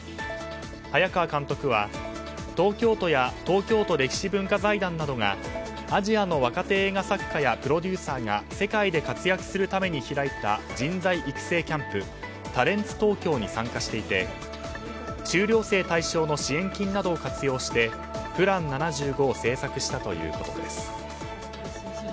早川監督は東京都や東京都歴史文化財団などがアジアの若手映画作家やプロデューサーが世界で活躍するために開いた人材育成キャンプタレンツ・トウキョウに参加していて修了生対象の支援金などを活用して、「ＰＬＡＮ７５」を制作したということです。